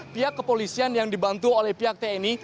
pihak kepolisian yang dibantu oleh pihak tni